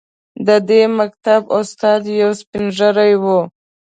د دې مکتب استاد یو سپین ږیری و.